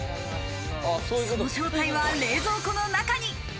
その正体は冷蔵庫の中に。